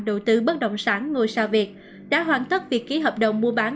đầu tư bất động sản ngôi sao việt đã hoàn tất việc ký hợp đồng mua bán